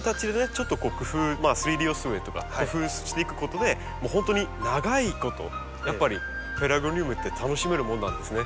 ちょっとこう工夫３Ｄ寄せ植えとか工夫していくことで本当に長いことやっぱりペラルゴニウムって楽しめるものなんですね。